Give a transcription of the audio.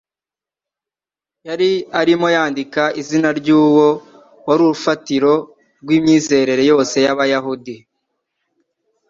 yari arimo yandika izina ry'Uwo wari urufatiro rw'imyizerere yose y'Abayuda